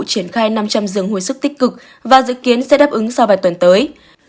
triển khai năm trăm linh giường hồi sức tích cực và dự kiến sẽ đáp ứng sau vài tuần tới